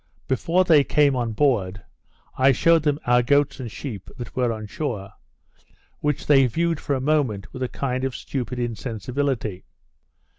Before they came on board I shewed them our goats and sheep that were on shore, which they viewed for a moment with a kind of stupid insensibility.